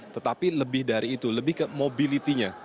tetapi lebih dari itu lebih ke mobility nya